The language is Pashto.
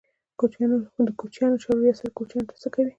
د کوچیانو چارو ریاست کوچیانو ته څه کوي؟